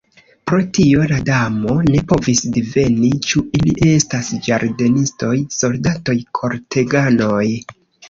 Pro tio la Damo ne povis diveni ĉu ili estas ĝardenistoj, soldatoj, korteganoj.